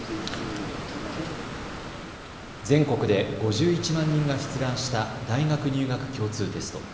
全国で５１万人が出願した大学入学共通テスト。